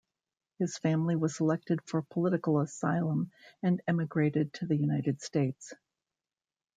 His family was selected for political asylum and emigrated to the United States.